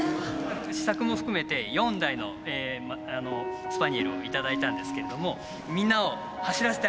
試作も含めて４台のスパニエルを頂いたんですけれどもみんなを走らせてあげたい。